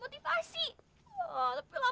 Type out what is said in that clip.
udah testim hiu